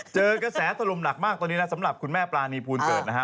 เจอกระแสถล่มหนักมากตอนนี้นะสำหรับคุณแม่ปรานีภูลเกิดนะฮะ